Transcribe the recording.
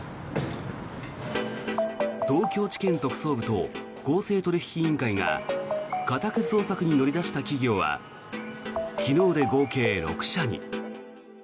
東京地検特捜部と公正取引委員会が家宅捜索に乗り出した企業は昨日で合計６社に。